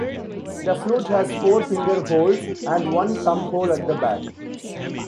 The flute has four finger holes and one thumb hole at the back.